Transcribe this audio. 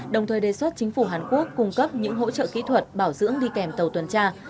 đồng thời đề xuất chính phủ hàn quốc cung cấp những hỗ trợ kỹ thuật bảo dưỡng đi kèm tàu tuần tra